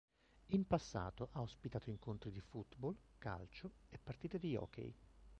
In passato ha ospitato incontri di football, calcio e partite di hockey.